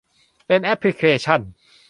เป็นแอปพลิเคชั่น